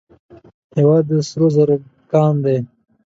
هیواد د سرو زرو کان دی